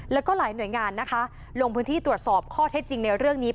แล้วก็หลายหน่วยงานนะคะลงพื้นที่ตรวจสอบข้อเท็จจริงในเรื่องนี้